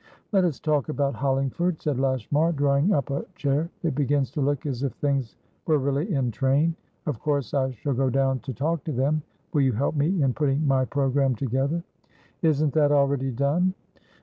"Let us talk about Hollingford," said Lashmar, drawing up a chair. "It begins to look as if things were really in train. Of course, I shall go down to talk to them. Will you help me in putting my programme together?" "Isn't that already done?"